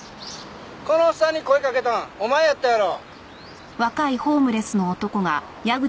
このおっさんに声かけたんお前やったやろ？